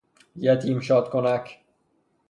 یتیم شاد کنک